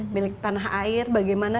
milik tanah air bagaimana